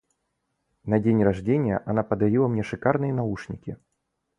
На день рождения она подарила мне шикарные наушники.